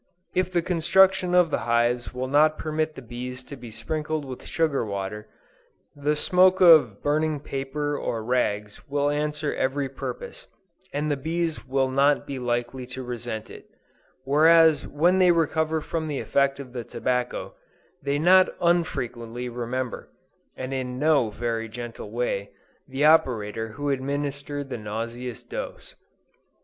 If the construction of the hives will not permit the bees to be sprinkled with sugar water, the smoke of burning paper or rags will answer every purpose, and the bees will not be likely to resent it; whereas when they recover from the effect of the tobacco, they not unfrequently remember, and in no very gentle way, the operator who administered the nauseous dose.